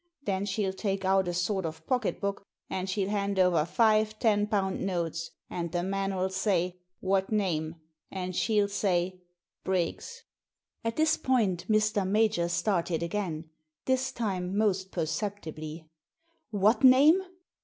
Then she'll take out a sort of pocket book, and she'll hand over five ten pound notes. And the man'U say, 'What name?' And she'll say 'Briggs.'" At this point Mr. Major started again — this time most perceptibly. "What name?"